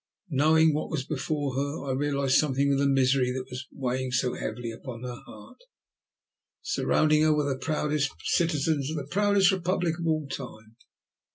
Knowing what was before her, I realized something of the misery that was weighing so heavily upon her heart. Surrounding her were the proudest citizens of the proudest Republic of all time.